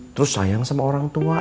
terus sayang sama orang tua